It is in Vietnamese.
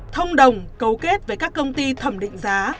thông đồng cấu kết với các công ty thẩm định giá